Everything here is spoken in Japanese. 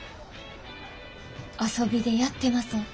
遊びでやってません。